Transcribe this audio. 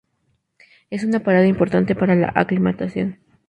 Es una parada importante para la aclimatación.